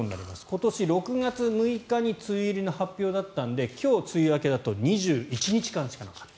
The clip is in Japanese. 今年６月６日に梅雨入りの発表だったので今日、梅雨明けだと２１日間しかない。